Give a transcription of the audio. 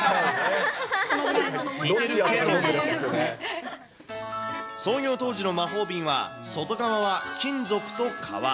これ、創業当時の魔法瓶は、外側は金属と革。